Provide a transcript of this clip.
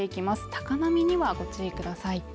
高波にはご注意ください